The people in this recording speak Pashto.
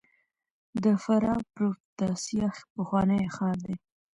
د فراه پروفتاسیا پخوانی ښار دی